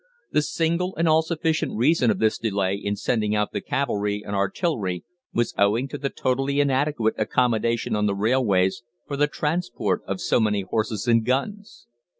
The single and all sufficient reason of this delay in sending out the cavalry and artillery was owing to the totally inadequate accommodation on the railways for the transport of so many horses and guns.